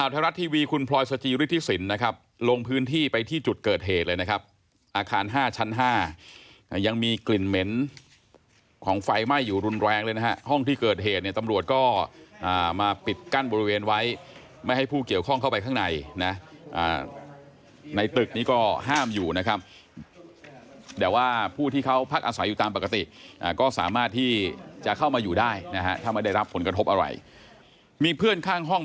ทีวีคุณพลอยสจิยุฤทธิสินนะครับลงพื้นที่ไปที่จุดเกิดเหตุเลยนะครับอาคารห้าชั้นห้ายังมีกลิ่นเหม็นของไฟไหม้อยู่รุนแรงเลยนะฮะห้องที่เกิดเหตุเนี่ยตำรวจก็อ่ามาปิดกั้นบริเวณไว้ไม่ให้ผู้เกี่ยวข้องเข้าไปข้างในนะอ่าในตึกนี้ก็ห้ามอยู่นะครับแต่ว่าผู้ที่เขาพักอาศัยอยู่ตามปกติอ่าก็